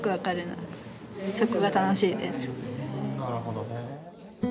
なるほどね。